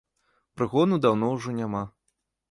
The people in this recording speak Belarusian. Прыгону даўно ўжо няма.